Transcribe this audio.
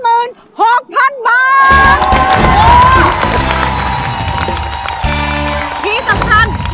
ที่สำคัญใครของสำเร็จ